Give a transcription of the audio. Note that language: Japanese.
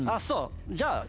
じゃあ。